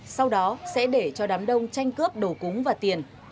sau đó sẽ để cho đám đông tranh cướp đồ cúng và tiền